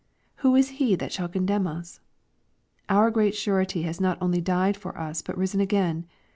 Who is he that shall condemn us ? Our Great Surety has not only died for us but risen again.